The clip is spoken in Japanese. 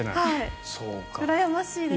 うらやましいです。